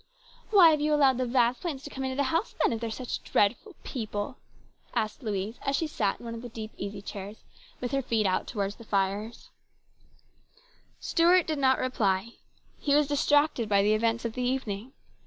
" Why have you allowed the Vasplaines to come into the house then, if they are such dreadful people ?" asked Louise, as she sat in one of the deep easy chairs, with her feet out towards the fire. Stuart did not reply. He was distracted by the events of the evening.